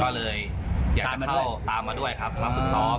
ก็เลยอยากจะเข้าตามมาด้วยครับมาฝึกซ้อม